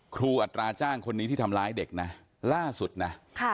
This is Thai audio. อัตราจ้างคนนี้ที่ทำร้ายเด็กนะล่าสุดนะ